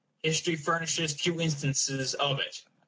History furnishes few instances of it.